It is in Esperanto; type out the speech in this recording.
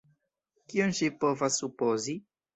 Kion ŝi povas supozi?